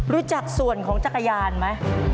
รู้จักส่วนของจักรยานไหม